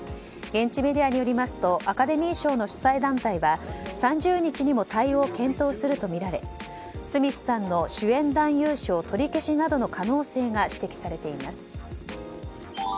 現地メディアによりますとアカデミー賞の主催団体は３０日にも対応を検討するとみられスミスさんの主演男優賞取り消しなどの可能性が指摘されています。